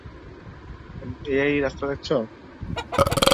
এই রাস্তাটা দেখছ?